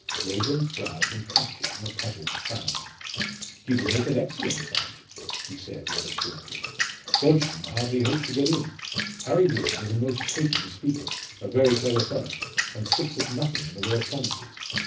Raeburn's brow contracted in a puzzled frown. "He will make an excellent fight," he said rather shortly. "Dodgson hardly hopes to get in. Harry Wharton is a most taking speaker, a very clever fellow, and sticks at nothing in the way of promises.